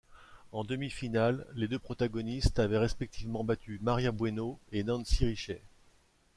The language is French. En demi-finale, les deux protagonistes avaient respectivement battu Maria Bueno et Nancy Richey.